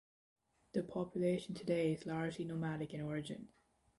The population today is largely nomadic in origin.